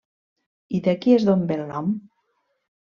I d'aquí és d'on ve el nom.